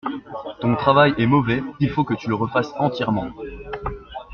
Ton travail est mauvais, il faut que tu le refasses entièrement.